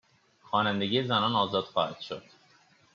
خوانندگی زنان آزاد خواهد شد